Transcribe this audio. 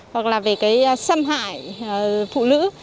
hoặc là về xâm hại phụ nữ